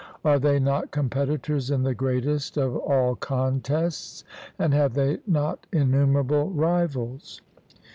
Are they not competitors in the greatest of all contests, and have they not innumerable rivals?